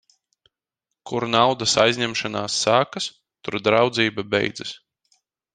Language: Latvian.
Kur naudas aizņemšanās sākas, tur draudzība beidzas.